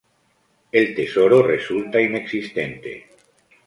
El tesoro resulta inexistente.